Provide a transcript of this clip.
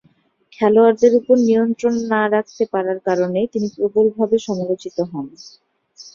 খেলোয়াড়দের উপর নিয়ন্ত্রণ না রাখতে পারার কারণে তিনি প্রবলভাবে সমালোচিত হন।